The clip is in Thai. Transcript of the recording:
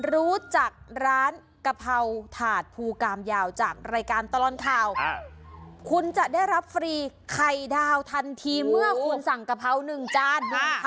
รู้จักร้านกะเพราถาดภูกามยาวจากรายการตลอดข่าวคุณจะได้รับฟรีไข่ดาวทันทีเมื่อคุณสั่งกะเพรา๑จาน